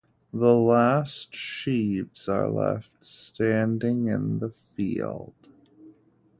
The last sheaves are left standing in the field.